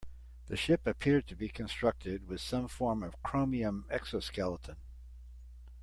The ship appeared to be constructed with some form of chromium exoskeleton.